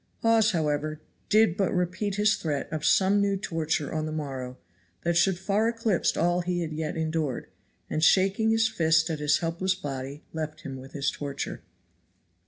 Hawes however did but repeat his threat of some new torture on the morrow that should far eclipse all he had yet endured; and shaking his fist at his helpless body left him with his torture.